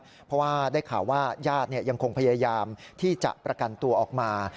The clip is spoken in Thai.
เพราะว่าได้ข่าวว่าญาติยังคงพยายามที่จะประกันตัวออกมา